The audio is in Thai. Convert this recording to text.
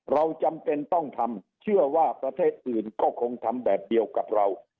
เราจำเป็นต้องทำเชื่อว่าประเทศอื่นก็คงทำแบบเดียวกับเรา